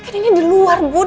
kelen ya di luar buri